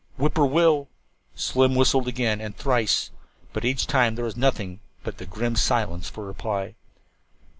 "Whip poor will l l," Slim whistled again, and thrice, but each time there was nothing but the grim silence for reply.